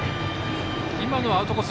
今のアウトコース